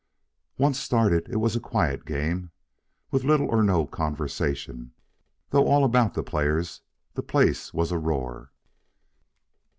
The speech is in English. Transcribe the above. Once started, it was a quiet game, with little or no conversation, though all about the players the place was a roar.